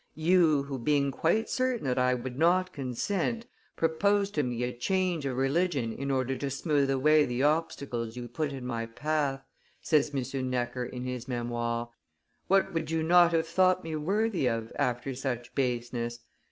"You who, being quite certain that I would not consent, proposed to me a change of religion in order to smooth away the obstacles you put in my path," says M. Necker in his Memoires, "what would you not have thought me worthy of after such baseness?